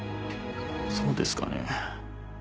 そうですかね？